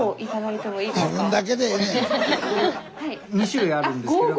２種類あるんですけど。